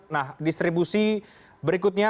nah distribusi berikutnya